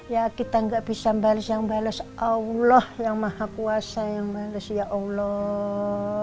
ya kita gak bisa bales yang bales allah yang maha kuasa yang bales ya allah